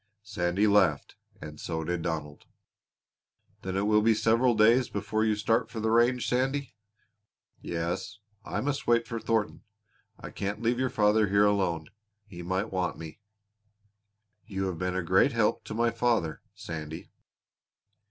Sandy laughed and so did Donald. "Then it will be several days before you start for the range, Sandy." "Yes. I must wait for Thornton. I can't leave your father here alone. He might want me." "You have been a great help to my father, Sandy."